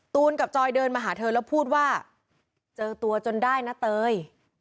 กับจอยเดินมาหาเธอแล้วพูดว่าเจอตัวจนได้นะเตย